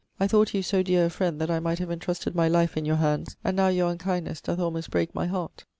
I thought you so deare a friend that I might have entrusted my life in your hands and now your unkindnes doth almost break my heart.'